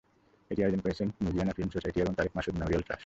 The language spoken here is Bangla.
এটি আয়োজন করেছে ম্যুভিয়ানা ফিল্ম সোসাইটি এবং তারেক মাসুদ মেমোরিয়াল ট্রাস্ট।